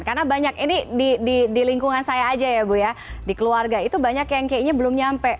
karena banyak ini di lingkungan saya aja ya bu ya di keluarga itu banyak yang kayaknya belum nyampe